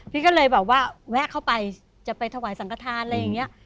พี่ก็เลยแบบว่าแวะเข้าไปจะไปถวายสังกฐานอะไรอย่างนี้